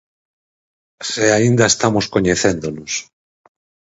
Se aínda estamos coñecéndonos.